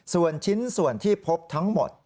ส่วนชิ้นส่วนที่พบทั้งหมด